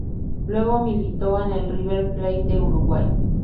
Luego militó en el River Plate de Uruguay.